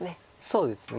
そうですね。